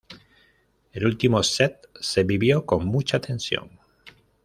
El último set, se vivió con mucha tensión.